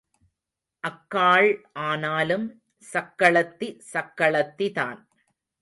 அக்காள் ஆனாலும் சக்களத்தி சக்களத்திதான்.